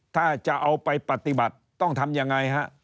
ถ้าจะเอาไปปฏิบัติต้องทำยังไงฮะ